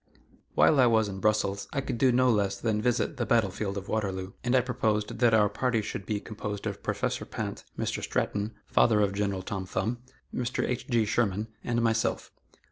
While I was in Brussels I could do no less than visit the battle field of Waterloo, and I proposed that our party should be composed of Professor Pinte, Mr. Stratton, father of General Tom Thumb, Mr. H. G. Sherman, and myself.